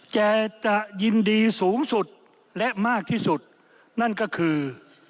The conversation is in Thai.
จะยินดีสูงสุดและมากที่สุดนั่นก็คือ